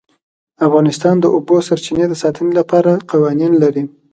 افغانستان د د اوبو سرچینې د ساتنې لپاره قوانین لري.